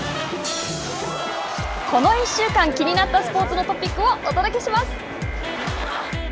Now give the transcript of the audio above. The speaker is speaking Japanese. この１週間気になったスポーツのトピックをお届けします！